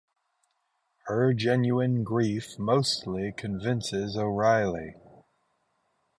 Her genuine grief mostly convinces O'Reilly.